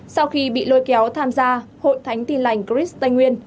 sau khi bị lôi kéo tham gia hội thánh tình lành cris tây nguyên